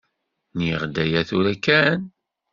Nniɣ-d aya tura kan?